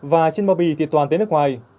và trên bò bì thì toàn tế nước ngoài